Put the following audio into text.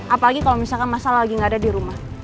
apalagi kalo misalkan mas al lagi gak ada dirumah